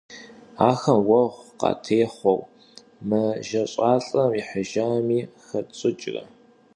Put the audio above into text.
Ахэм уэгъу къатехъуэу мэжэщӀалӀэм ихьыжами, хэтщӀыкӀрэ?